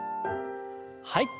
はい。